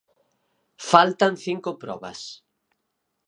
Faltan cinco probas.